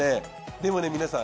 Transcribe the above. でも皆さん。